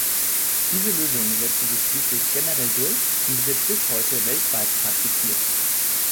Diese Lösung setzte sich schließlich generell durch und wird bis heute weltweit praktiziert.